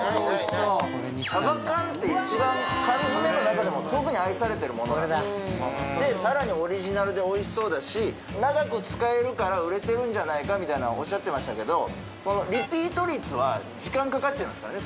鯖缶って一番缶詰の中でも特に愛されてるものなんですよさらにオリジナルでおいしそうだし長く使えるから売れてるんじゃないかみたいなおっしゃってましたけどリピート率は時間かかっちゃいますからね